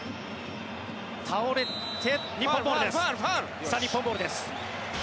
倒れて、日本ボールです。